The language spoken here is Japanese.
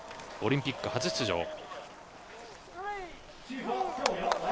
オリンピック初出場。